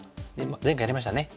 前回やりましたね。